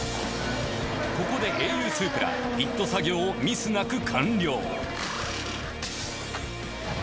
ここでａｕスープラピット作業をミスなく完了